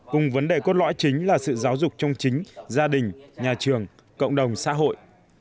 cùng vấn đề cốt lõi chính là sự giáo dục trong chính gia đình nhà trường cộng đồng xã hội